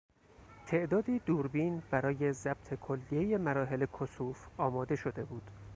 تعدادی دوربین برای ضبط کلیهی مراحل کسوف آماده شده بود.